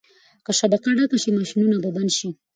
که شبکه ډکه شي ماشینونه به بند شي.